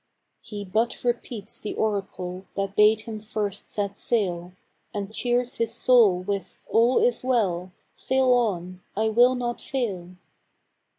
He but repeats the oracle That bade him first set sail; And cheers his soul with, "All is well! Sail on! I will not fail!"